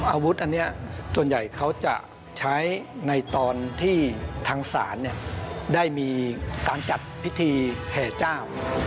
อาวุธอันนี้ส่วนใหญ่เขาจะใช้ในตอนที่ทางศาลได้มีการจัดพิธีแห่เจ้า